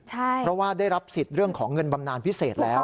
เพราะว่าได้รับสิทธิ์เรื่องของเงินบำนานพิเศษแล้ว